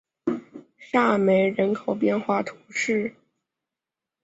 沙尔梅人口变化图示